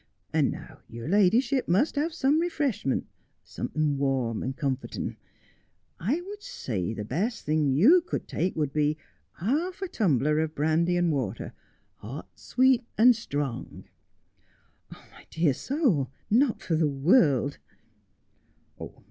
'And now your ladyship must have some refreshment, something warm and comforting. I should say that the best thing you could take would be half a tumbler of brandy and water, hot, sweet, and strong.' ' My dear soul, not for the world.'